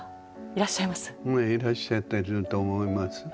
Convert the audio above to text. いらっしゃってると思います。